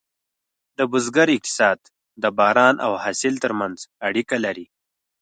د بزګر اقتصاد د باران او حاصل ترمنځ اړیکه لري.